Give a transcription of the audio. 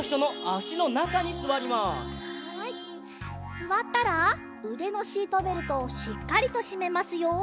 すわったらうでのシートベルトをしっかりとしめますよ。